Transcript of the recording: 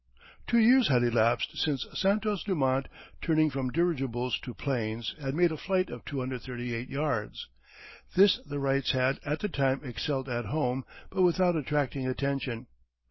Two years had elapsed since Santos Dumont, turning from dirigibles to 'planes, had made a flight of 238 yards. This the Wrights had at the time excelled at home but without attracting attention.